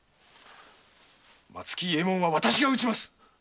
松木伊右衛門はわたしが討ちます